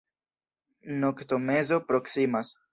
Noktomezo proksimas.